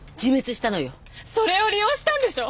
それを利用したんでしょ！